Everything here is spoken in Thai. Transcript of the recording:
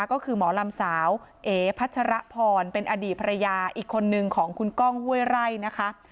ก็คือหมอลำสาวเอ๋พัชรพรเป็นอดีตภรรยาอีกคนนึงของคุณก้องห้วยไร่นะคะ